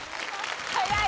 早い！